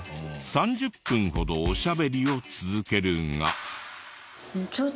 ３０分ほどおしゃべりを続けるが。